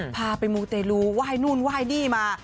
พาไปมูเตรลูไหว้นู่นไหว้นี่มา